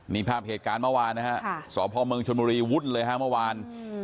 นี่ภาพเหตุการณ์เมื่อวานนะฮะสพเมืองชนบุรีวุ่นเลยฮะเมื่อวาน